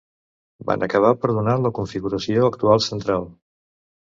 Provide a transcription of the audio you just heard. Van acabar per donar la configuració actual central.